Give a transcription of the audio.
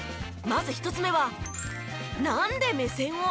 まず１つ目は。